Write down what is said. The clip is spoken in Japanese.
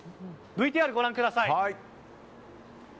ＶＴＲご覧ください。